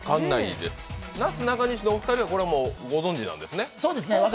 なすなかにしのお二人はこれはご存じなんですね？